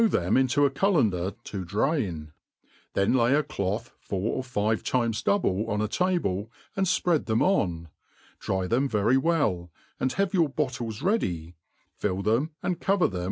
V Aem into « culleiider to drain; then ky « dodi fimircr4i* times doubk on a table, and fpread them on } dry them very well, and have yoor 4>ottles rcady^ fill them and cover them